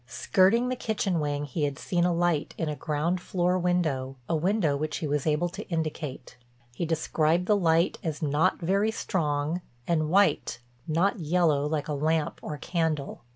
Skirting the kitchen wing he had seen a light in a ground floor window, a window which he was able to indicate. He described the light as not very strong and white, not yellow like a lamp or candle.